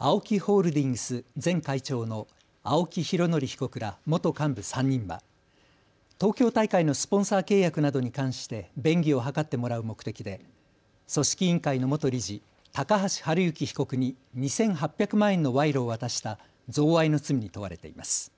ＡＯＫＩホールディングス前会長の青木拡憲被告ら元幹部３人は東京大会のスポンサー契約などに関して便宜を図ってもらう目的で組織委員会の元理事、高橋治之被告に２８００万円の賄賂を渡した贈賄の罪に問われています。